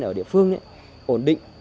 ở địa phương ổn định